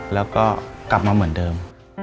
แล้วก็กลับมาเหมือนเดิม